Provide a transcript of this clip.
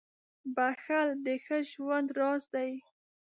• بښل د ښه ژوند راز دی.